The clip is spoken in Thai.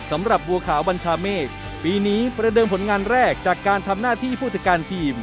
สำหรับบัวขาวบัญชาเมฆปีนี้ประเดิมผลงานแรกจากการทำหน้าที่ผู้จัดการทีม